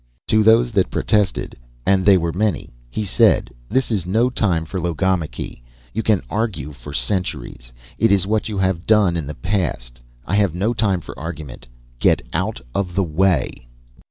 To those that protested, and they were many, he said: "This is no time for logomachy. You can argue for centuries. It is what you have done in the past. I have no time for argument. Get out of the way."